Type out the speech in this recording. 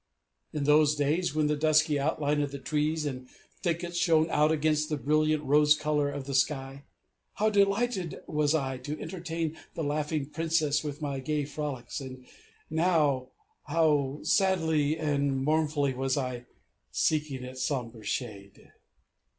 In those days, when the dusky outline of the trees and thickets shone out against the brilliant rose colour of the sky, how delighted was I to entertain the laughing Princess with my gay frolics! And now, how sadly and mournfully was I seeking its somber shade!